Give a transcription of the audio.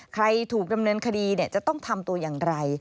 ใครถูกดำเนินคดีจะต้องทำตัวอย่างไร